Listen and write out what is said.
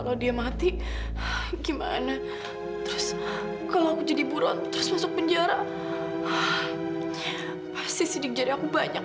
sampai jumpa di video selanjutnya